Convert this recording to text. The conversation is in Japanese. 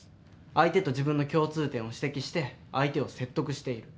相手と自分の共通点を指摘して相手を説得している。